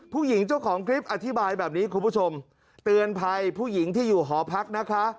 ผู้หญิงเจ้าของคลิปอธิบายแบบนี้คุณผู้ชมเตือนภัยผู้หญิงที่อยู่หอพักนะคะ